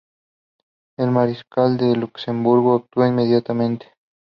El mariscal de Luxemburgo actuó inmediatamente.